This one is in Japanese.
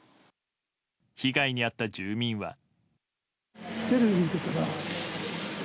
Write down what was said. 被害に遭った住民は。